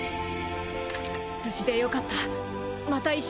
無事でよかった。